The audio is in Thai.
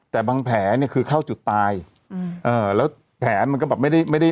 แต่บางแผลเนี่ยคือเข้าจุดตายอืมเอ่อแล้วแผลมันก็แบบไม่ได้ไม่ได้